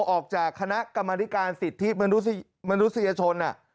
ออกจากคณะกรรมนิการสิทธิมนุษยชน